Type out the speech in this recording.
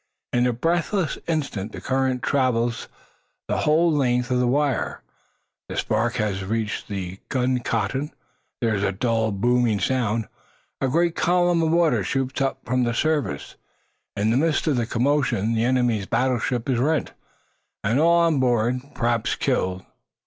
In a breathless instant the current traverses the whole length of the wire. The spark has reached the gun cotton! There is a dull, booming sound; a great column of water shoots up from the surface. In the midst of the commotion the enemy's battleship is rent, and all on board, perhaps killed.